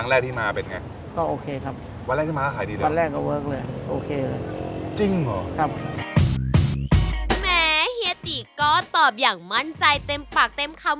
ไม่รวยครับเพราะมันเป็นเมืองเล็กอะ